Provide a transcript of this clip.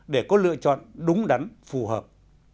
để có lựa chọn đúng đắn phù hợp